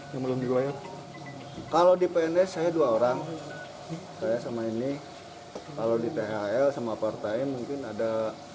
yang belum dibayar kalau di pns saya dua orang saya sama ini kalau di thl sama partai mungkin ada